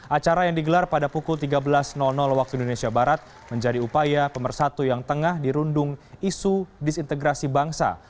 acara yang digelar pada pukul tiga belas waktu indonesia barat menjadi upaya pemersatu yang tengah dirundung isu disintegrasi bangsa